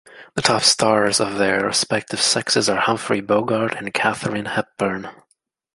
The top stars of their respective sexes are Humphrey Bogart and Katharine Hepburn.